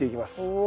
お。